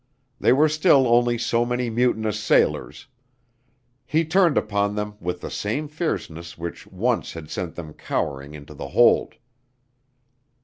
They were still only so many mutinous sailors. He turned upon them with the same fierceness which once had sent them cowering into the hold.